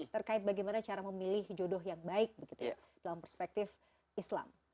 terkait bagaimana cara memilih jodoh yang baik begitu ya dalam perspektif islam